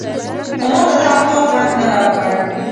خو ماته دغه کار خوند نه راکړ.